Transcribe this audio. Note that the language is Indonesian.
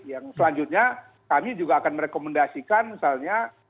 yang selanjutnya kami juga akan merekomendasikan misalnya